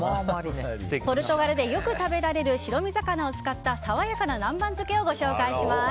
ポルトガルでよく食べられる白身魚を使った爽やかな南蛮漬けをご紹介します。